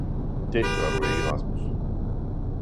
det gør du ikke, Rasmus!